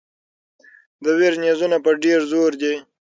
د ویر نیزونه په ډېر زور دي.